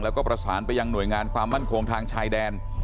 แล้วก็ประสานไปยังหน่วยงานความมั่นคงทางชายแดน